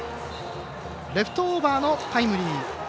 レフトオーバーのタイムリー。